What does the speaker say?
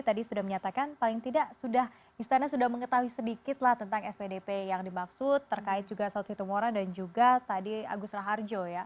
tadi sudah menyatakan paling tidak istana sudah mengetahui sedikit tentang spdp yang dimaksud terkait juga salat setumoran dan juga tadi agus raharjo